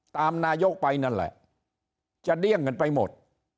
นายกไปนั่นแหละจะเดี้ยงกันไปหมด